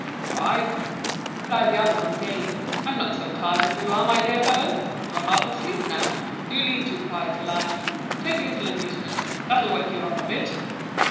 "Why?" replied the other, gaily. "I'm not so tired as you are, my dear fellow. You are half asleep now, you lead too quiet a life. Take a little amusement, that'll wake you up a bit."